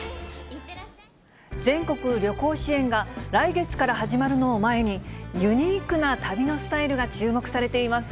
全国旅行支援が来月から始まるのを前に、ユニークな旅のスタイルが注目されています。